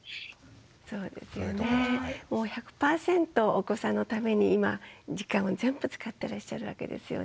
お子さんのために今時間を全部使ってらっしゃるわけですよね。